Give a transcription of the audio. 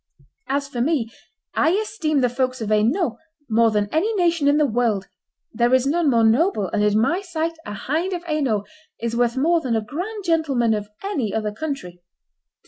As for me, I esteem the folks of Hainault more than any nation in the world; there is none more noble, and in my sight a hind of Hainault is worth more than a grand gentleman of any other country."